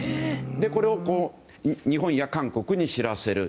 これを日本や韓国に知らせる。